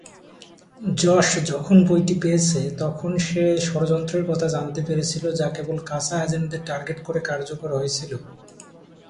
যশ যখন বইটি পেয়েছে, তখন সে ষড়যন্ত্রের কথা জানতে পেরেছিল যা কেবল কাঁচা এজেন্টদের টার্গেট করে কার্যকর হয়েছিল।